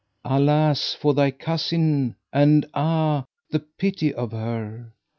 Alas for thy cousin and ah, the pity of her!